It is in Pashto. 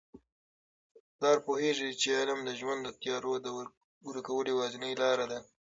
پلار پوهیږي چي علم د ژوند د تیارو د ورکولو یوازینۍ لاره ده.